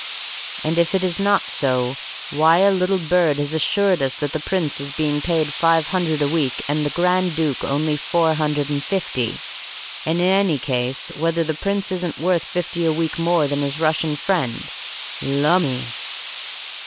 And If it is not so, why a little bird has assured us that the Prince is being paid five hundred a week and the Grand Duke only four hundred and fifty? And, In any case, whether the Prince isn't worth fifty a week more than his Russian friend?' Lumme!"